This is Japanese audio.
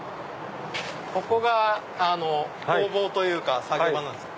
ここが工房というか作業場なんです。